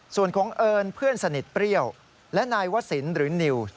ส่วนของเอิญเพื่อนสนิทเปรี้ยวและนายวศิลป์หรือนิว